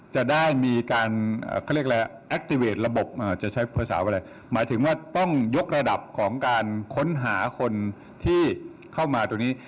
จะได้มีการเขาเรียกอะไรแอคติเวทระบบจะใช้ภาษาอะไรหมายถึงว่าต้องยกระดับของการค้นหาคนที่เข้ามาตรงนี้